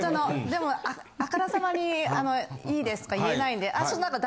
でもあからさまにいいですとか言えないんで。